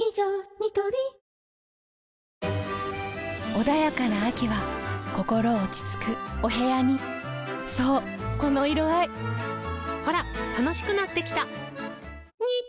ニトリ穏やかな秋は心落ち着くお部屋にそうこの色合いほら楽しくなってきた！